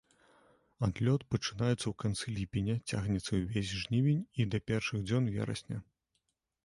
Адлёт пачынаецца ў канцы ліпеня, цягнецца ўвесь жнівень і да першых дзён верасня.